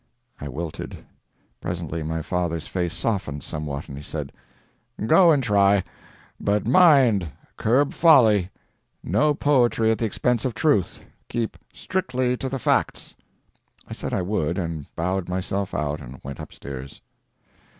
I wilted. Presently my father's face softened somewhat, and he said: "Go and try. But mind, curb folly. No poetry at the expense of truth. Keep strictly to the facts." I said I would, and bowed myself out, and went upstairs.